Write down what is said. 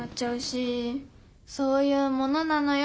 そういうものなのよ